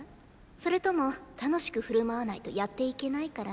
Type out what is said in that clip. それとも楽しく振る舞わないとやっていけないから？